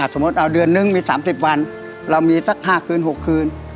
สมมุติเอาเดือนนึงมี๓๐วันเรามีสัก๕คืน๖คืน